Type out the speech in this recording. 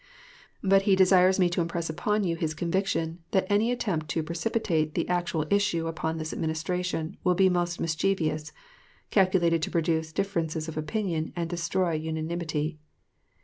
But he desires me to impress upon you his conviction, that any attempt to precipitate the actual issue upon this Administration will be most mischievous calculated to produce differences of opinion and destroy unanimity.